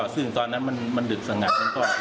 ซึ่งตอนนั้นมันดึกสงัด